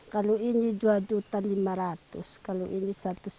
kalau ini dua lima ratus kalau ini satu lima ratus